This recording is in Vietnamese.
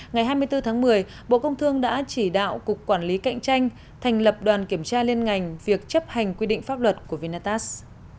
ngày hai mươi bốn tháng một mươi bộ công thương đã chỉ đạo cục quản lý cạnh tranh thành lập đoàn kiểm tra liên ngành việc chấp hành quy định pháp luật của vinatax